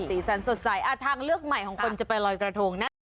สีสันสดใสทางเลือกใหม่ของคนจะไปลอยกระทงนะ